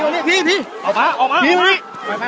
ก็ช่วยด้วยค่ะพามาช่วยด้วยช่วยด้วยครับ